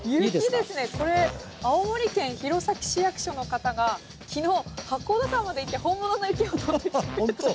これ青森県弘前市役所の方が昨日八甲田山まで行って本物の雪を取ってきてくれたと。